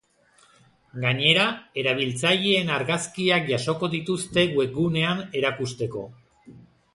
Gainera, erabiltzaileen argazkiak jasoko dituzte webgunean erakusteko.